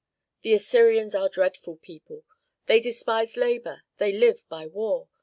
The Assyrians are a dreadful people! They despise labor, they live by war.